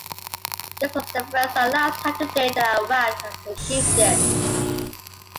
This was the first and last time to date that Iraq have achieved this.